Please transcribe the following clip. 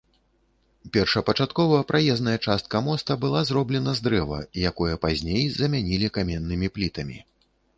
Першапачаткова праезная частка моста была зроблена з дрэва, якое пазней замянілі каменнымі плітамі.